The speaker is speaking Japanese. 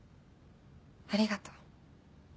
ありがとう。